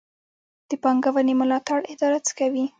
د پانګونې ملاتړ اداره څه کوي؟